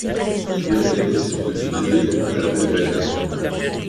Les fibres sont utilisées pour faire des vêtements.